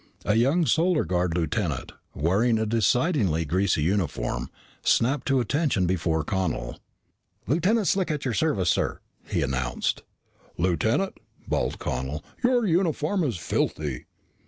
A young Solar Guard lieutenant, wearing a decidedly greasy uniform, snapped to attention before Connel. "Lieutenant Slick at your service, sir," he announced. "Lieutenant," bawled Connel, "your uniform is filthy!"